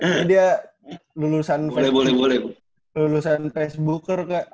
ini dia lulusan lulusan facebooker kak